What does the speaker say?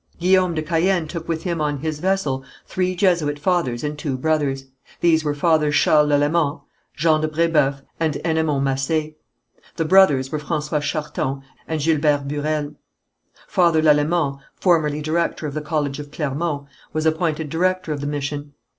Guillaume de Caën took with him on his vessel three Jesuit fathers and two brothers. These were Fathers Charles Lalemant, Jean de Brébeuf and Enemond Massé. The brothers were François Charton and Gilbert Burel. Father Lalemant, formerly director of the college of Clermont, was appointed director of the mission.